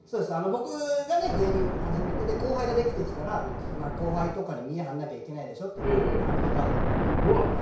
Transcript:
僕が芸人を始めて後輩ができてきたら後輩とかに、見えを張らなきゃいけないでしょってファミリーカードくれて。